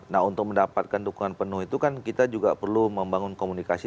nah untuk mendapatkan dukungan penuh itu kan kita juga perlu membangun komunikasi